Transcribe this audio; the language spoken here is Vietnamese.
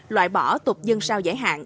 loại bỏ tục dân sao giải hạn